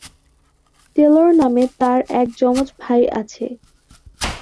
Taylor নামে তার এক যমজ ভাই আছে।